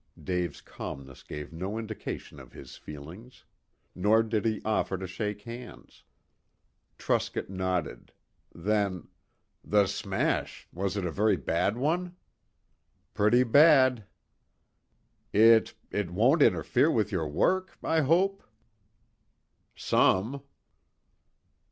Dave's calmness gave no indication of his feelings. Nor did he offer to shake hands. Truscott nodded. Then "The smash was it a very bad one?" "Pretty bad." "It it won't interfere with your work I hope?" "Some."